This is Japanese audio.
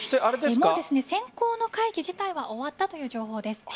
選考の会議自体は終わったという情報です。